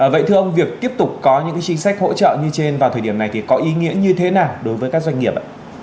vậy thưa ông việc tiếp tục có những chính sách hỗ trợ như trên vào thời điểm này thì có ý nghĩa như thế nào đối với các doanh nghiệp ạ